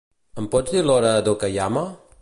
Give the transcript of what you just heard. Em pots dir l'hora d'Okayama?